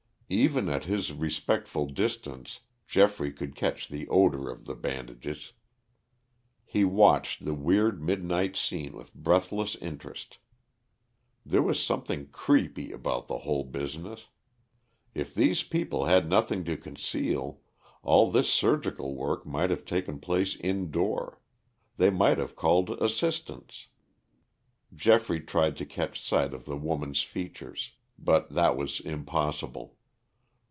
Even at his respectful distance Geoffrey could catch the odor of the bandages. He watched the weird midnight scene with breathless interest. There was something creepy about the whole business. If these people had nothing to conceal, all this surgical work might have taken place indoor; they might have called assistance. Geoffrey tried to catch sight of the woman's features. But that was impossible.